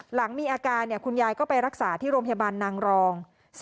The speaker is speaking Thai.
หลังมีอาการคุณยายก็ไปรักษาที่โรงพยาบาลนางรอง